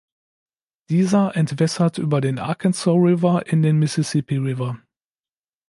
Dieser entwässert über den Arkansas River in den Mississippi River.